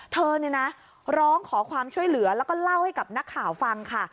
เธอเนี่ยนะร้องขอความช่วยเหลือแล้วก็เล่าให้กับนักข่าวฟังค่ะ